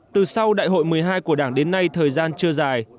từ sau đại hội một mươi hai của đảng đến nay thời gian chưa dài